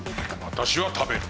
私は食べる。